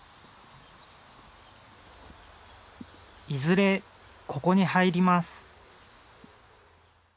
いずれここに入ります。